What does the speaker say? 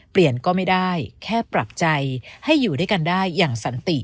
เปลี่ยนก็ไม่ได้แค่ปรับใจให้อยู่ด้วยกันได้อย่างสันติ